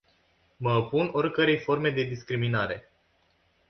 Mă opun oricărei forme de discriminare.